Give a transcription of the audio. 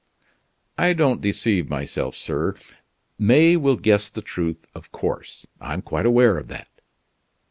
"I don't deceive myself, sir. May will guess the truth of course. I'm quite aware of that."